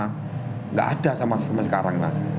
tidak ada sama sekarang mas